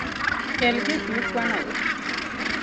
Kel gik mikwanogo.